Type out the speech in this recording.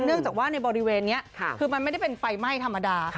เนื่องจากว่าในบริเวณนี้คือมันไม่ได้เป็นไฟไหม้ธรรมดา